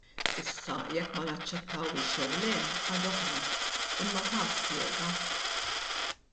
Issa jekk ma naċċettawhiex jew le, ħaġa oħra, imma ta spjega.